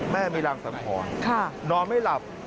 แม่มีรางสังหรณ์นอนไม่หลับ